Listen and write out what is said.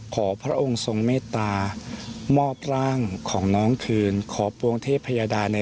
พระองค์ทรงเมตตามอบร่างของน้องคืนขอปวงเทพยดาใน